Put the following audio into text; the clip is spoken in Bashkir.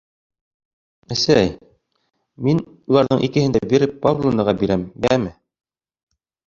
— Әсәй, мин уларҙың икеһен дә Вера Павловнаға бирәм, йәме?